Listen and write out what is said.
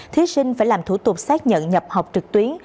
thí sinh phải làm thủ tục xác nhận nhập học trực tuyến